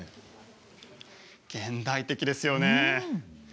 現代的ですよね。